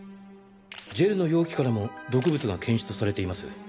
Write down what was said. ジェルの容器からも毒物が検出されています。